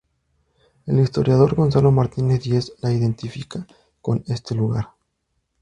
El historiador Gonzalo Martínez Díez la identifica con este lugar.